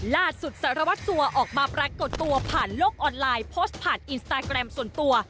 สารวัตรสัวออกมาปรากฏตัวผ่านโลกออนไลน์โพสต์ผ่านอินสตาแกรมส่วนตัว